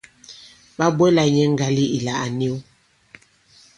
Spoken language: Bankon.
Ɓa bwɛla nyɛ ŋgale ìla à niw.